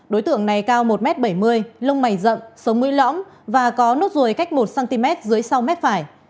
đối tượng này cao một m bảy mươi lông mảnh rậm sống mũi lõng và có nốt ruồi cách một cm dưới sáu m phải